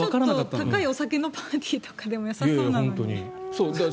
もうちょっといいお酒のパーティーとかでもよさそうなのに。